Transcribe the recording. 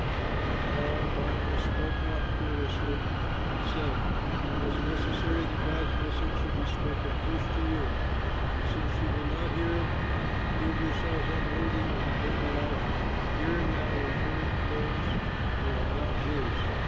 But Paul and Barnabas spoke out fearlessly and said, "It was necessary that God's message should be spoken first to you; but since you will not hear it and prove yourselves unworthy of eternal life, here and now we turn to those who are not Jews.